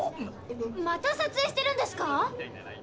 また撮影してるんですか？